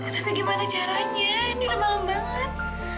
tapi gimana caranya ini malam banget